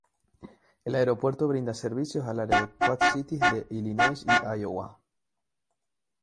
El aeropuerto brinda servicios al área de Quad Cities de Illinois y Iowa.